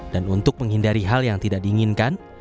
dan untuk menghindari hal yang tidak diinginkan